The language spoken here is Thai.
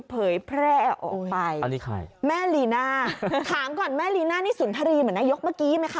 เผยแพร่ออกไปอันนี้ใครแม่ลีน่าถามก่อนแม่ลีน่านี่สุนทรีย์เหมือนนายกเมื่อกี้ไหมคะ